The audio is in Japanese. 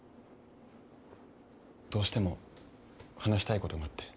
どうしても話したいことがあって。